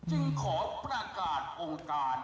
จึงขอประกาศโอกาส